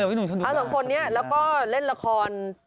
เออพี่หนุ่มชอบดูขาเอาสองคนนี้แล้วก็เล่นละคร